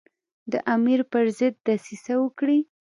د امیر پر ضد دسیسه وکړي.